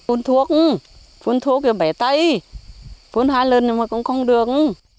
phun thuốc phun thuốc thì bẻ tay phun hai lần mà cũng không được